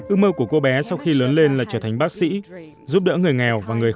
ước mơ của cô bé sau khi lớn lên là trở thành bác sĩ giúp đỡ người nghèo và người